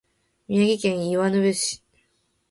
宮城県岩沼市